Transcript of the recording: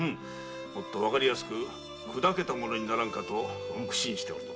もっとわかりやすくくだけたものにならんかと苦心しておった。